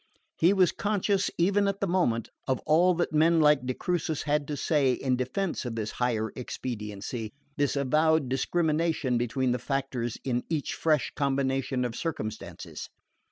He was conscious, even at the moment, of all that men like de Crucis had to say in defence of this higher expediency, this avowed discrimination between the factors in each fresh combination of circumstances.